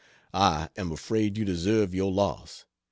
I am afraid you deserve your loss.